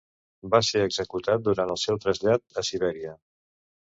Va ser executat durant el seu trasllat a Sibèria.